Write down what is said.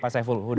pak saiful huda